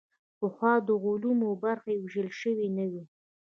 پخوا د علومو برخې ویشل شوې نه وې.